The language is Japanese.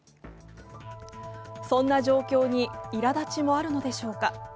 そんな状況にいらだちもあるのでしょうか。